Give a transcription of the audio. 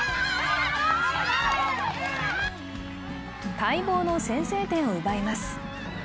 待望の先制点を奪います。